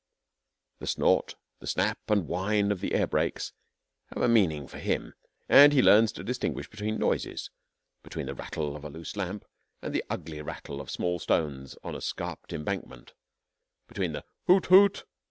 The snort, the snap and whine of the air brakes have a meaning for him, and he learns to distinguish between noises between the rattle of a loose lamp and the ugly rattle of small stones on a scarped embankment between the 'Hoot! toot!'